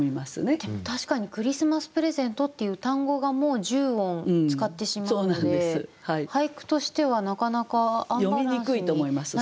でも確かに「クリスマスプレゼント」っていう単語がもう１０音使ってしまうので俳句としてはなかなかアンバランスになりますよね。